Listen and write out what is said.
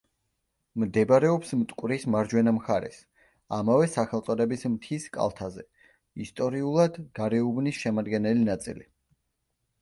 მდებარეობს მტკვრის მარჯვენა მხარეს, ამავე სახელწოდების მთის კალთაზე, ისტორიულად გარეუბნის შემადგენელი ნაწილი.